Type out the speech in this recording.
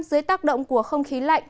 dưới tác động của không khí lạnh